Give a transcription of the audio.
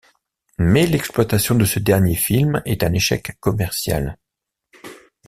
Mais l'exploitation de ce dernier film est un échec commercial.